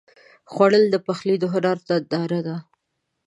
خوړل د پخلي د هنر ننداره ده